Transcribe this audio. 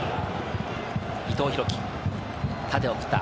伊藤洋輝、縦へ送った。